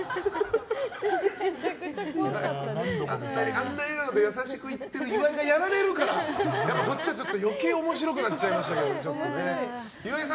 あんな笑顔で優しく行ってる岩井がやられるから、こっちは余計面白くなっちゃいましたね。